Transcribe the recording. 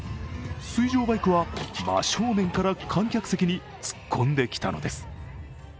水上バイクは真正面から観客席に突っ込んできたのです。